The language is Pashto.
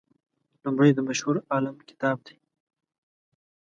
لومړی د مشهور عالم کتاب دی.